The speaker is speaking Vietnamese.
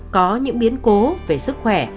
có những biến cố về sức khỏe